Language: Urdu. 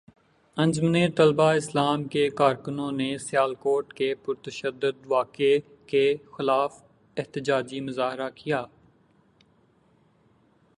انجمن طلباء اسلام کے کارکنوں نے سیالکوٹ کے پرتشدد واقعے کے خلاف احتجاجی مظاہرہ کیا